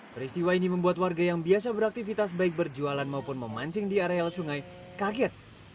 peristiwa ini membuat warga yang biasa beraktivitas baik berjualan maupun memancing di areal sungai kaget